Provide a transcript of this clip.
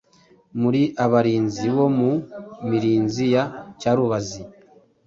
Muri abarenzi bo mu Mirinzi ya Cyarubazi